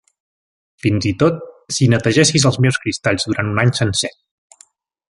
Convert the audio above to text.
Fins i tot si netegessis els meus cristalls durant un any sencer...